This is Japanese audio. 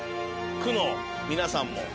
区の皆さんも。